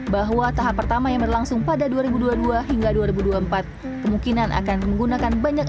bahwa tahap pertama yang berlangsung pada dua ribu dua puluh dua hingga dua ribu dua puluh empat kemungkinan akan menggunakan banyak